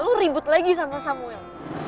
lu ribut lagi sama samuel